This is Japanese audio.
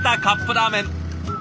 カップラーメン。